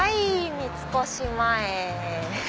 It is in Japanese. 三越前。